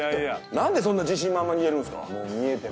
なんでそんな自信満々に言えるんですか？